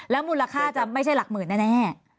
มูลค่าจะไม่ใช่หลักหมื่นแน่